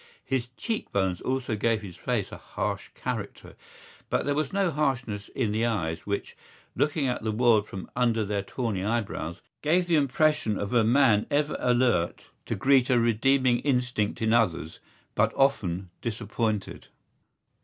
His cheekbones also gave his face a harsh character; but there was no harshness in the eyes which, looking at the world from under their tawny eyebrows, gave the impression of a man ever alert to greet a redeeming instinct in others but often disappointed.